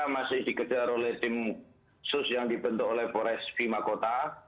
masih dikejar oleh tim sus yang dibentuk oleh polres bima kota